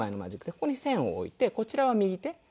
ここに線を置いてこちらは右手こちら左手。